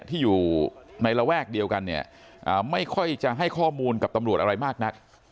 ที่อยู่ในระแวกเดียวกันเนี่ยไม่ค่อยจะให้ข้อมูลกับตำรวจอะไรมากนัก